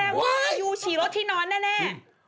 ว่ายูฉี่รถที่นอนแน่